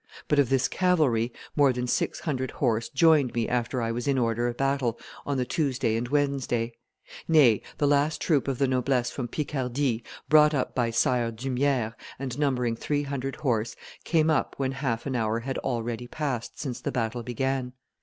But of this cavalry, more than six hundred horse joined me after I was in order of battle, on the Tuesday and Wednesday; nay, the last troop of the noblesse from Picardy, brought up by Sire d'Humieres, and numbering three hundred horse, came up when half an hour had already passed since the battle began.